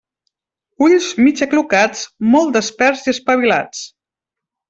Ulls mig aclucats, molt desperts i espavilats.